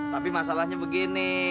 tapi masalahnya begini